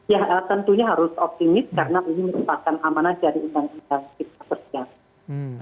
ya tentunya harus optimis karena ini memperbaikkan amanah dari kita